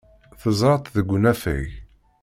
Teẓra-tt deg unafag.